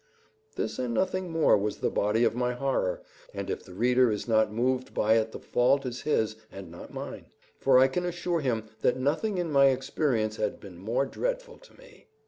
This and nothing more was the body of my horror; and if the reader is not moved by it the fault is his and not mine; for I can assure him that nothing in my experience had been more dreadful to me.